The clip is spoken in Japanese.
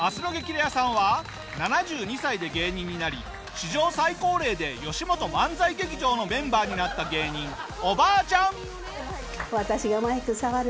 レアさんは７２歳で芸人になり史上最高齢でよしもと漫才劇場のメンバーになった芸人おばあちゃん！